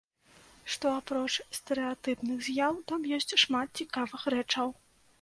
Што апроч стэрэатыпных з'яў, там ёсць шмат цікавых рэчаў.